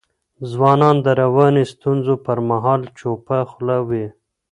ځوانان د رواني ستونزو پر مهال چوپه خوله وي.